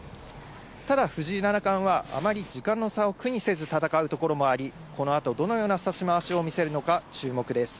ただ、藤井七冠は、あまり時間の差を苦にせず戦うところもあり、このあとどのような指し回しを見せるのか、注目です。